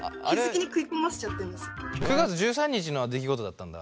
９月１３日の出来事だったんだ。